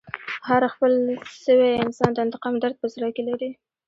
هر خپل سوی انسان د انتقام درد په زړه کښي لري.